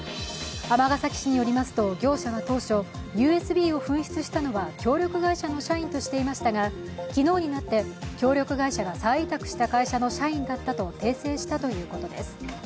尼崎市によりますと業者は当初、ＵＳＢを紛失したのは協力会社の社員としていましたが昨日になって協力会社が再委託した会社の社員だったと訂正したということです。